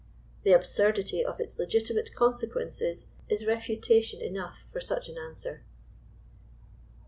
The absurdity of its legitimate consequences is refutation enough for such an answer.